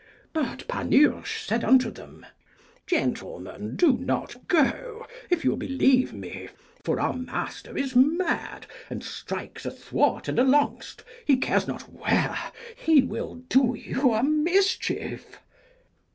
But Panurge said unto them, Gentlemen, do not go, if will believe me, for our master is mad, and strikes athwart and alongst, he cares not where; he will do you a mischief.